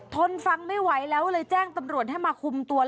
ทนฟังไม่ไหวแล้วเลยแจ้งตำรวจให้มาคุมตัว